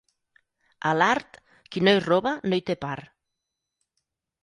A l'art, qui no hi roba no hi té part.